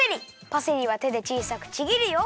パセリはてでちいさくちぎるよ。